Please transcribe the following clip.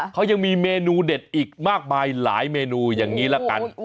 เขายังมีเมนูเด็ดอีกมากมายหลายเมนูอย่างนี้ละกัน